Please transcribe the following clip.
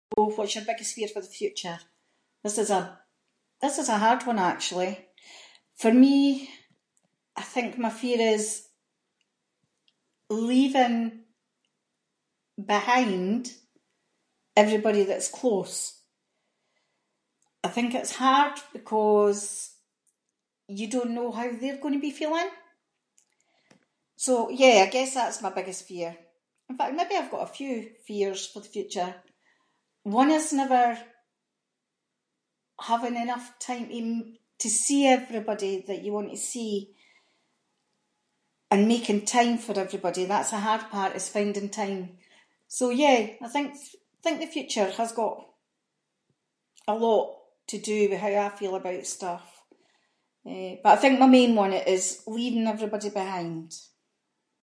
So, what’s your biggest fear for the future. This is a- this is a hard one actually. For me, I think my fear is, leaving behind, everybody that’s close. I think it’s hard because you don’t know how they’re going to be feeling, so yeah, I guess that’s my biggest fear. But maybe, I’ve got a few fears for the future. One is never having enough time to m- to see everybody that you want to see, and making time for everybody, that’s a hard part is finding time, so yeah, I think the future has got a lot to do with how I feel about stuff, eh, but I think my main one is leaving everybody behind.